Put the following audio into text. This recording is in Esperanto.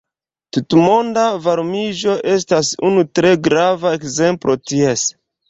Tutmonda varmiĝo estas unu tre grava ekzemplo ties.